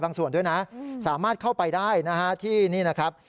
ส่วนด้วยนะสามารถเข้าไปได้นะฮะที่นี่นะครับ